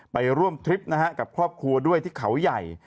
ไปร่วมทริปนะฮะกับครอบครัวด้วยที่เขาใหญ่